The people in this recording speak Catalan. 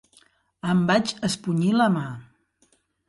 Em vaig espunyir la mà.